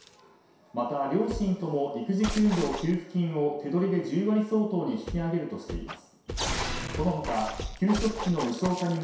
また、両親とも育児休業給付金を手取りで１０割相当に引き上げるとしています。